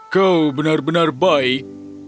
kau benar benar baik